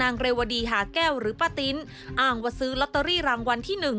เรวดีหาแก้วหรือป้าติ๊นอ้างว่าซื้อลอตเตอรี่รางวัลที่หนึ่ง